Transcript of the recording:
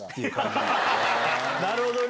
なるほどね！